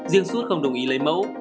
riêng suốt không đồng ý lấy mẫu